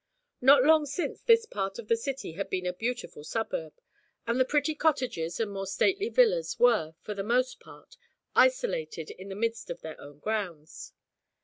Not long since this part of the city had been a beautiful suburb, and the pretty cottages and more stately villas were, for the most part, isolated in the midst of their own grounds.